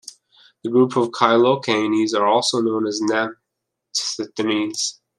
The group of cycloalkanes are also known as naphthenes.